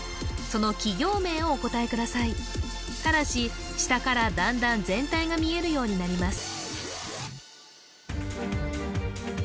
その企業名をお答えくださいただし下からだんだん全体が見えるようになります